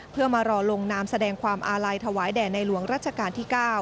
เพื่อมารอลงนามแสดงความอาลัยถวายแด่ในหลวงรัชกาลที่๙